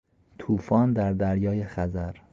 توفان در دریای خزر